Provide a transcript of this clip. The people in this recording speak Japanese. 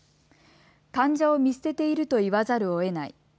患者を見捨てていると言わざるをえない。